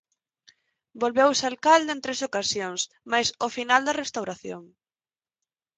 Volveu se alcalde en tres ocasións mais ao final da Restauración.